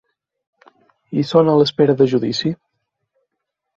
I són a l’espera de judici.